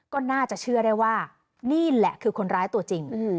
ก็น่าจะเชื่อได้ว่านี่แหละคือคนร้ายตัวจริง